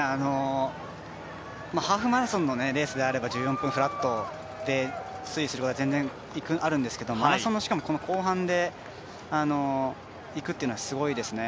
ハーフマラソンのレースであれば１４分フラットで推移することは全然あるんですけれどもマラソンの後半でいくっていうのはすごいですね。